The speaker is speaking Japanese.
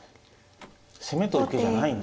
攻めと受けじゃないんだ。